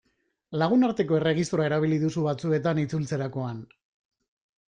Lagunarteko erregistroa erabili duzu batzuetan, itzultzerakoan.